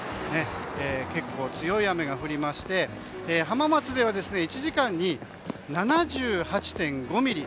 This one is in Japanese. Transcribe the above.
結構、強い雨が降りまして浜松では１時間に７８．５ミリ